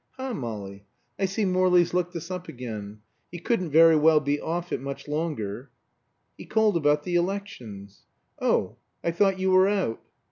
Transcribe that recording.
"Ha, Molly, I see Morley's looked us up again. He couldn't very well be off it much longer." "He called about the elections." "Oh I thought you were out?"